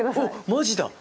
マジだ。